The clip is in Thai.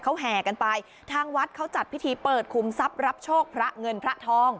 เขาแห่กันไปทางวัดเขาจัดพิธีเปิดคุมทรัพย์รับโชคพระเงินพระทอง